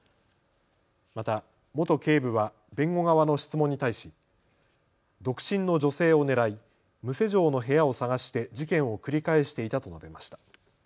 また元警部は弁護側の質問に対し独身の女性を狙い無施錠の部屋を探して事件を繰り返していたと述べました。